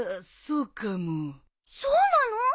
そうなの？